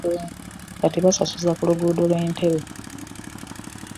Kati basasuza ku luguudo Entebbe.